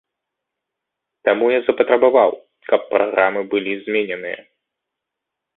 Таму я запатрабаваў, каб праграмы былі змененыя.